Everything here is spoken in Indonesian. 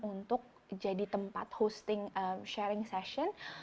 untuk jadi tempat hosting sharing session